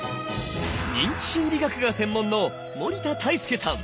認知心理学が専門の森田泰介さん。